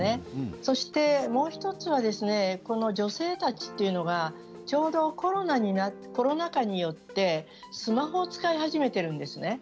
そして、もう１つこの女性たちというのがちょうどコロナ禍によってスマホを使い始めているんですね。